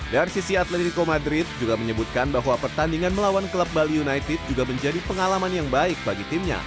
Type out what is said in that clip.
dari sisi atletico madrid juga menyebutkan bahwa pertandingan melawan klub bali united juga menjadi pengalaman yang baik bagi timnya